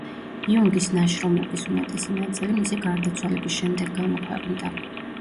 იუნგის ნაშრომების უმეტესი ნაწილი მისი გარდაცვალების შემდეგ გამოქვეყნდა.